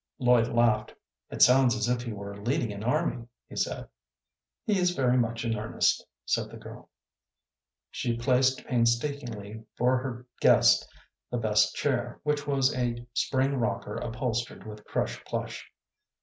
Lloyd laughed. "It sounds as if he were leading an army," he said. "He is very much in earnest," said the girl. She placed painstakingly for her guest the best chair, which was a spring rocker upholstered with crush plush.